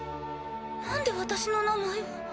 なんで私の名前を。